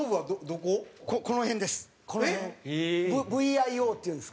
この辺です。